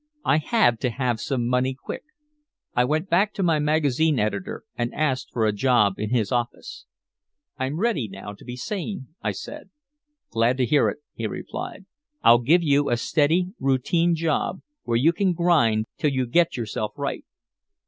I had to have some money quick. I went back to my magazine editor and asked for a job in his office. "I'm ready now to be sane," I said. "Glad to hear it," he replied. "I'll give you a steady routine job where you can grind till you get yourself right."